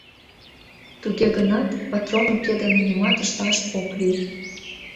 Туге гынат, патрон уке дене нимат ышташ ок лий.